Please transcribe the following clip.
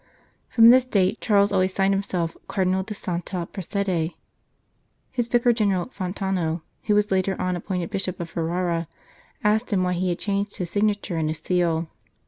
From this date Charles always signed himself Cardinal di Santa Prassede. His Vicar General, Fontano, who was later on appointed Bishop of Ferrara, asked him why he had changed his sig nature and his seal.